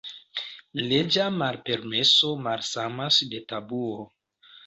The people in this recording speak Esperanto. Leĝa malpermeso malsamas de tabuo.